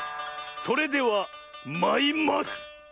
それではまいます！